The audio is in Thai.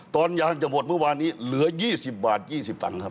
ตอนยางจะหมดเมื่อวานนี้เหลือ๒๐บาท๒๐ตังค์ครับ